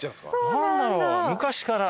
何だろう昔から。